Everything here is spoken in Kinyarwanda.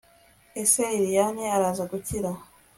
ese lilian araza gukira!